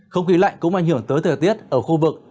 không khí lạnh cũng ảnh hưởng tới thời tiết ở khu vực